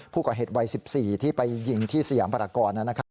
ผู้ก่อเหตุวัยสิบสี่ที่ไปยิงที่สยามปรากฏนะนะครับ